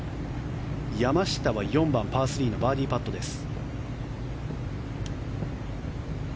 山下は４番、パー３のバーディーパットです。